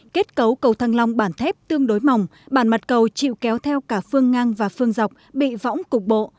kết cấu cầu thăng long bản thép tương đối mỏng bản mặt cầu chịu kéo theo cả phương ngang và phương dọc bị võng cục bộ